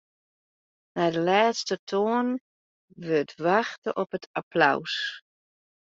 Nei de lêste toanen wurdt wachte op it applaus.